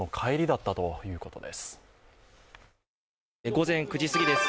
午前９時すぎです。